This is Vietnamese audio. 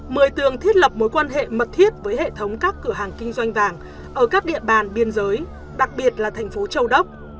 mười tường thiết lập mối quan hệ mật thiết với hệ thống các cửa hàng kinh doanh vàng ở các địa bàn biên giới đặc biệt là thành phố châu đốc